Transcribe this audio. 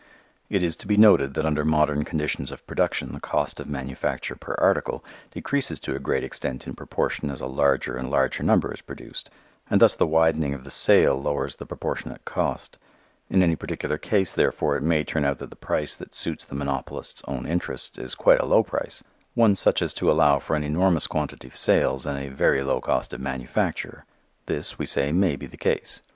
It is to be noted that under modern conditions of production the cost of manufacture per article decreases to a great extent in proportion as a larger and larger number is produced and thus the widening of the sale lowers the proportionate cost. In any particular case, therefore, it may turn out that the price that suits the monopolist's own interest is quite a low price, one such as to allow for an enormous quantity of sales and a very low cost of manufacture. This, we say, may be the case.